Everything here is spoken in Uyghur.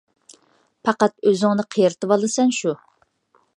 پەقەت ئۆزۈڭنى قېرىتىۋالىسەن شۇ!